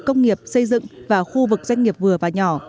công nghiệp xây dựng và khu vực doanh nghiệp vừa và nhỏ